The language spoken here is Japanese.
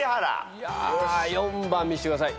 いや４番見してください。